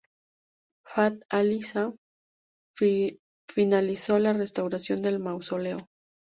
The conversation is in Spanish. Fath Alí Sah financió la restauración del mausoleo.